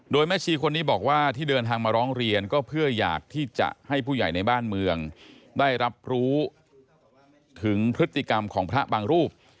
โดยแม่ชีคนนี้บอกว่าที่เดินทางมาร้องเรียนก็เพื่ออยากที่จะให้ผู้ใหญ่ในบ้านเมืองได้รับรู้ถึงพฤติกรรมของพระบางรูป